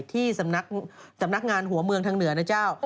ที่สำนักงานหัวเมืองทางเหนือนะเจ้า